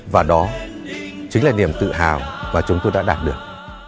và đó chính là niềm tự hào mà chúng tôi đã đạt được